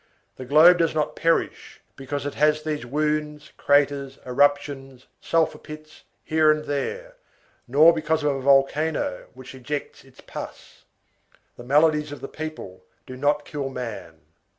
The globe does not perish, because it has these wounds, craters, eruptions, sulphur pits, here and there, nor because of a volcano which ejects its pus. The maladies of the people do not kill man.